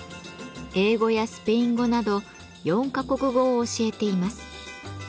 英語やスペイン語など４か国語を教えています。